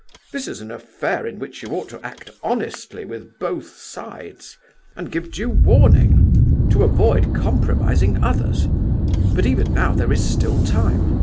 This is an affair in which you ought to act honestly with both sides, and give due warning, to avoid compromising others. But, even now, there is still time.